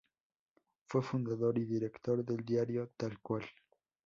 Fue fundador y director del diario "Tal Cual".